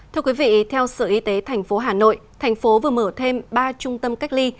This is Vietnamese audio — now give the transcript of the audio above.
thưa quý vị theo sở y tế thành phố hà nội thành phố vừa mở thêm ba trung tâm cách ly